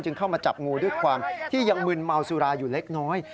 เข้ามาจับงูด้วยความที่ยังมึนเมาสุราอยู่เล็กน้อย